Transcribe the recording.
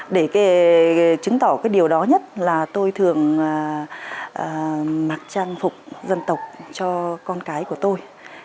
để chứng tỏ cái điều đó nhất là tôi thường mặc trang phục dân tộc cho con cái của tôi